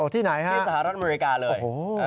ที่สหรัฐอเมริกาเลย